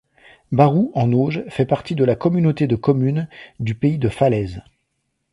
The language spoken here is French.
Barou-en-Auge fait partie de la communauté de communes du pays de Falaise.